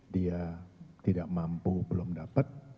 dia tidak mampu belum dapat